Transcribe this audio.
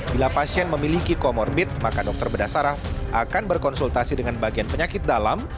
bila pasien memiliki komorbit maka dokter berdasar akan berkonsultasi dengan bagian penyakit dalam